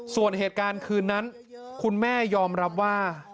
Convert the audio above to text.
ส่วนเหตุการณ์คืนนั้นคุณแม่ยอมรับว่า